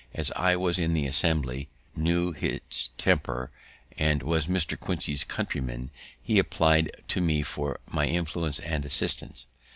As I was in the Assembly, knew its temper, and was Mr. Quincy's countryman, he appli'd to me for my influence and assistance.